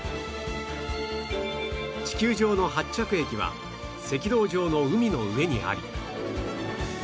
地球上の発着駅は赤道上の海の上にあり